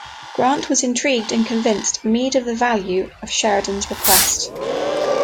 Grant was intrigued and convinced Meade of the value of Sheridan's request.